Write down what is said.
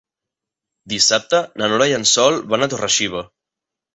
Dissabte na Nora i en Sol van a Torre-xiva.